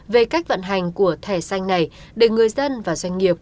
về cách vận hành của thẻ xanh này để người dân và doanh nghiệp